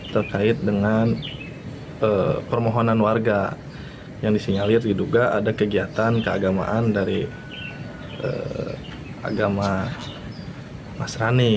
terkait dengan permohonan warga yang disinyalir diduga ada kegiatan keagamaan dari agama masrani